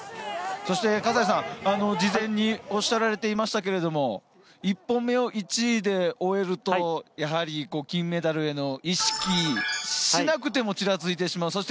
そして事前におっしゃられていましたが１本目を１位で終えるとやはり金メダルへの意識しなくても、ちらついてしまう。